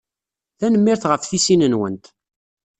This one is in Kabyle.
Tanemmirt ɣef tisin-nwent.